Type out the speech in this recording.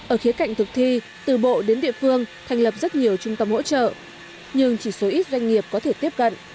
ở khía cạnh thực thi từ bộ đến địa phương thành lập rất nhiều trung tâm hỗ trợ nhưng chỉ số ít doanh nghiệp có thể tiếp cận